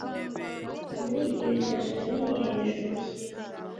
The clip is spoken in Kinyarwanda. muri iyo nyanja nini hejuru ye